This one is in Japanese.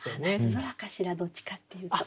「夏空」かしらどっちかっていうと。